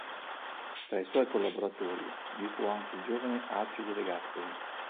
Tra i suoi collaboratori vi fu anche il giovane Alcide De Gasperi.